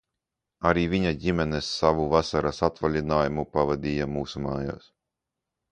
Arī viņa ģimene savu vasaras atvaļinājumu pavadīja mūsu mājās.